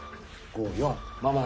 ５４。